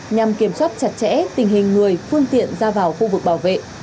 nhằm kiểm soát chặt chẽ tình hình người phương tiện ra vào khu vực bảo vệ